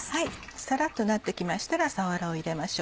サラっとなって来ましたらさわらを入れましょう。